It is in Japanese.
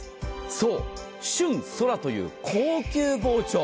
そう、旬ＳＯＲＡという高級包丁。